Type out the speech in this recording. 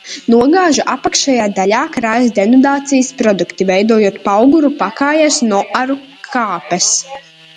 Nogāžu apakšējā daļā krājas denudācijas produkti, veidojot pauguru pakājēs noaru kāpes.